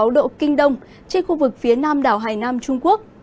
một trăm linh chín sáu độ kinh đông trên khu vực phía nam đảo hải nam trung quốc